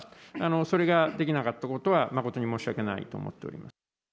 それができなかったことは、誠に申し訳ないと思っております。